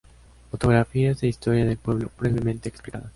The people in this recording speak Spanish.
Fotografías e historia del pueblo brevemente explicadas